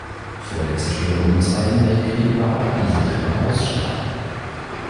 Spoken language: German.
Vor der Zerstörung im Zweiten Weltkrieg war auch diese Treppe aus Stein.